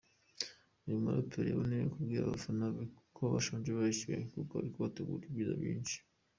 Uyu muraperi yaboneyeho kubwira abafana be ko bashonje bahishiwe kuko ari kubategurira ibyiza byinshi.